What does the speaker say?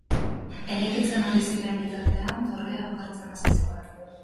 Eraikitzen ari ziren bitartean, dorrea okertzen hasi zen.